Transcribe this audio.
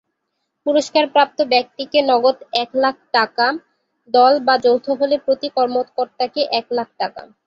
পুরস্কারপ্রাপ্ত ব্যক্তিকে নগদ এক লাখ টাকা, দল বা যৌথ হলে প্রতি কর্মকর্তাকে এক লাখ টাকা।